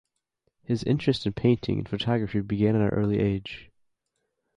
His interest in painting and photography began at an early age.